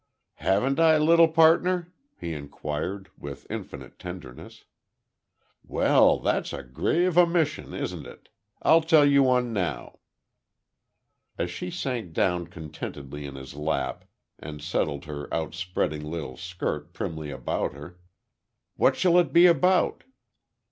"Haven't I, little partner?" he inquired, with infinite tenderness. "Well, that's a grave omission, isn't it? I'll tell you one now." As she sank down contentedly in his lap, and settled her outspreading little skirt primly about her: "What shall it be about?"